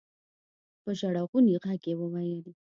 په ژړغوني غږ يې وويل.